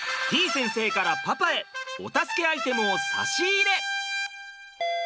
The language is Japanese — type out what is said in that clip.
先生からパパへお助けアイテムを差し入れ！